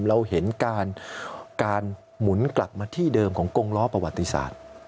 เราเห็นการหมุนกลับมาที่เดิมของกงล้อประวัติศาสตร์